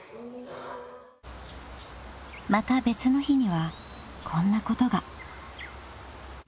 ［また別の日にはこんなことが］